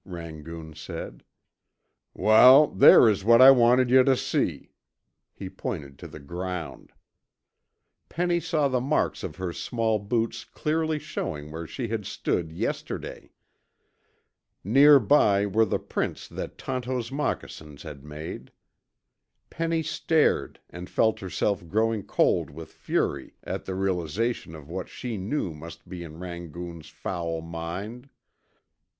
Rangoon said. "Wal, there is what I wanted yuh tuh see." He pointed to the ground. Penny saw the marks of her small boots clearly showing where she had stood yesterday. Near by were the prints that Tonto's moccasins had made. Penny stared and felt herself growing cold with fury at the realization of what she knew must be in Rangoon's foul mind.